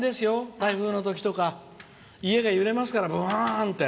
台風のときとか家が揺れますからグオーンって。